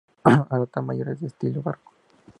El altar mayor es de estilo barroco.